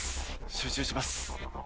集中します。